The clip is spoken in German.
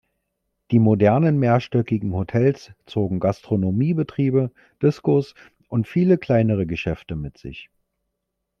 Die modernen mehrstöckigen Hotels zogen Gastronomiebetriebe, Discos und viele kleinere Geschäfte mit sich.